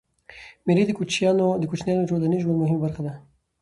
مېلې د کوچنيانو د ټولنیز ژوند مهمه برخه ده.